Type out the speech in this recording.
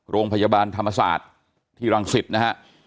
โรงพยาบาลธรรมศาสตร์ที่รังสิตนะฮะ